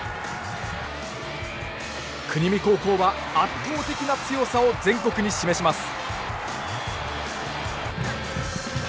国見高校は圧倒的な強さを全国に示します。